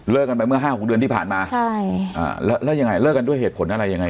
กันไปเมื่อห้าหกเดือนที่ผ่านมาใช่อ่าแล้วแล้วยังไงเลิกกันด้วยเหตุผลอะไรยังไง